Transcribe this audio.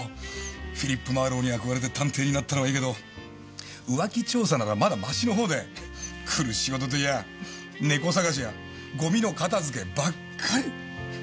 フィリップ・マーロウに憧れて探偵になったのはいいけど浮気調査ならまだマシの方で来る仕事といやぁネコ捜しやゴミの片づけばっかり。